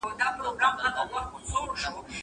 که وخت وي، سبزېجات وچوم!